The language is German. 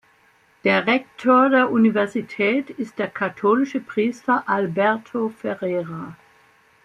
Der Rektor der Universität ist der katholische Priester Alberto Ferreira.